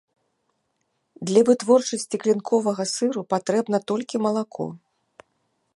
Для вытворчасці клінковага сыру патрэбна толькі малако.